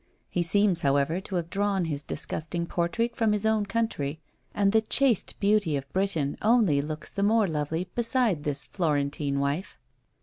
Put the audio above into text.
He seems, however, to have drawn his disgusting portrait from his own country; and the chaste beauty of Britain only looks the more lovely beside this Florentine wife.